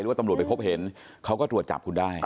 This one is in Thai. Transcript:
ว่าตำรวจไปพบเห็นเขาก็ตรวจจับคุณได้